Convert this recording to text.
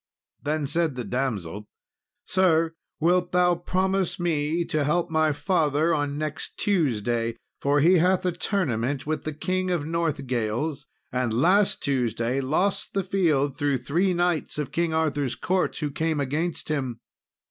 Then said the damsel, "Sir, wilt thou promise me to help my father on next Tuesday, for he hath a tournament with the King of Northgales, and last Tuesday lost the field through three knights of King Arthur's court, who came against him.